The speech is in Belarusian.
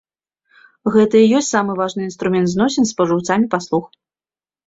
Гэта і ёсць самы важны інструмент зносін з спажыўцамі паслуг.